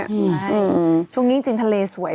ใช่ช่วงนี้จริงทะเลสวย